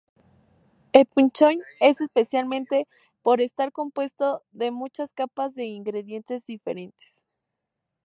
El "pun choi" es especial por estar compuesto de muchas capas de ingredientes diferentes.